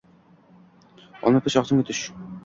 Olma pish, og‘zimga tush.